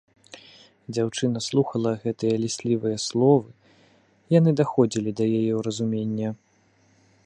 Дзяўчына слухала гэтыя ліслівыя словы, яны даходзілі да яе ўразумення.